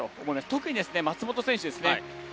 特に松元選手ですね。